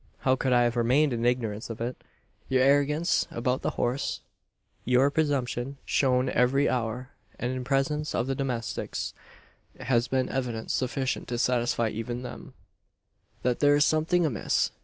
How could I have remained in ignorance of it? Your arrogance about the house your presumption, shown every hour, and in presence of the domestics has been evidence sufficient to satisfy even them, that there is something amiss.